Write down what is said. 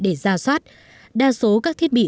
để ra soát đa số các thiết bị